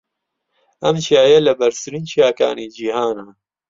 ئەم چیایە لە بەرزترین چیاکانی جیھانە.